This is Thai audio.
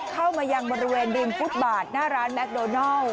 เข้ามายังบริเวณริมฟุตบาทหน้าร้านแมคโดนัล